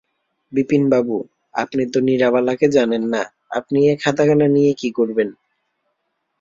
বিপিনবাবু, আপনি তো নীরবালাকে জানেন না, আপনি এ খাতাখানা নিয়ে কী করবেন?